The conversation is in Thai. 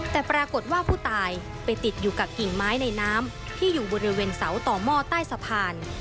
แต่ปรากฏว่าผู้ตายไปติดอยู่กับกิ่งไม้ในน้ำที่อยู่บริเวณเสาต่อหม้อใต้สะพาน